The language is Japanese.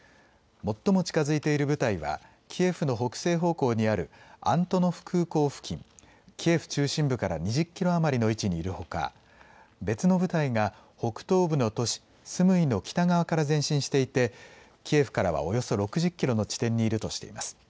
最も近づいている部隊はキエフの北西方向にあるアントノフ空港付近、キエフ中心部から２０キロ余りの位置にいるほか別の部隊が北東部の都市スムイの北側から前進していてキエフからは、およそ６０キロの地点にいるとしています。